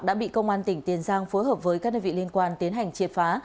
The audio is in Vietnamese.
đã bị công an tỉnh tiền giang phối hợp với các đơn vị liên quan tiến hành triệt phá